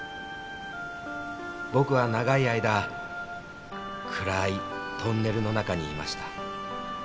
「僕は長い間暗いトンネルの中にいました」